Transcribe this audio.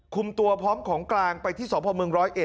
คุมตัวพร้อมของกลางไปที่สพเมือง๑๐๑